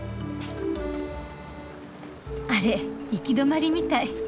あれ行き止まりみたい。